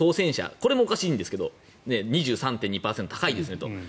これもおかしいんですが２３．２％、高いですよねと。